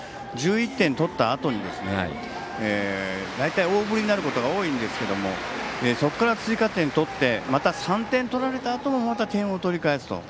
１１点を取ったあとに大体大振りになることが多いんですけどもそこから追加点を取ってまた３点取られたあともまた点を取り返すと。